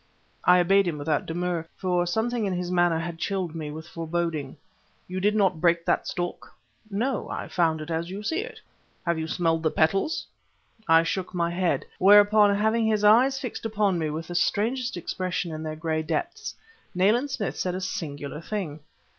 I obeyed him without demur; for something in his manner had chilled me with foreboding. "You did not break that stalk?" "No. I found it as you see it." "Have you smelled the petals?" I shook my head. Thereupon, having his eyes fixed upon me with the strangest expression in their gray depths, Nayland Smith said a singular thing.